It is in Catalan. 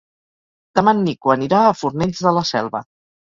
Demà en Nico anirà a Fornells de la Selva.